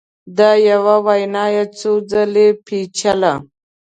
دا یوه وینا یې څو ځله پېچله